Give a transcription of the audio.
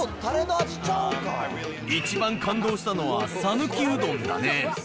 一番感動したのは、讃岐うどんだね。